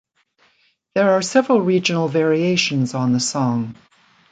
There are several regional variations on the song.